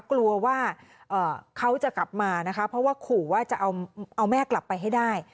กลัวว่าเขาจะกลับมานะคะเพราะว่าขู่ว่าจะเอาแม่กลับไปให้ได้